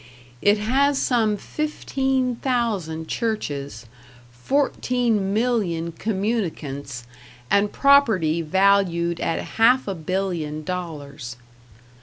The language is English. It has some fifteen thousand churches, fourteen million communicants, and property valued at half a billion dollars.